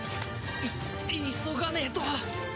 い急がねえと。